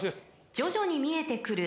［徐々に見えてくる］